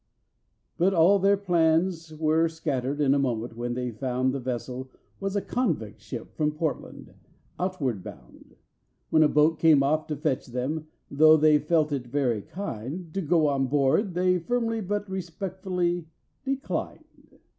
But all their plans were scattered in a moment when they found The vessel was a convict ship from Portland, outward bound; When a boat came off to fetch them, though they felt it very kind, To go on board they firmly but respectfully declined.